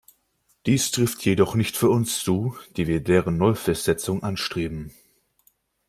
Dies trifft jedoch nicht für uns zu, die wir deren Neufestsetzung anstreben.